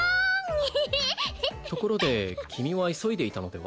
エヘヘところで君は急いでいたのでは？